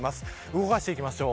動かしていきましょう。